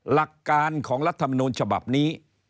หลักการของรัฐมนูลฉบับนี้